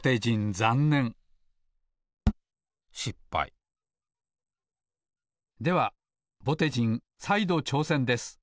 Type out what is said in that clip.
ざんねんではぼてじんさいどちょうせんです！